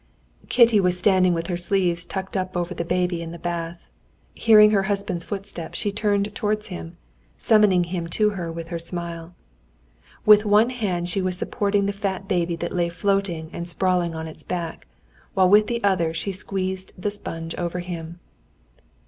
Kitty was standing with her sleeves tucked up over the baby in the bath. Hearing her husband's footstep, she turned towards him, summoning him to her with her smile. With one hand she was supporting the fat baby that lay floating and sprawling on its back, while with the other she squeezed the sponge over him.